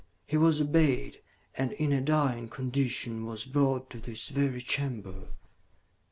He was obeyed, and, in a dying condition, was brought to this very chamber."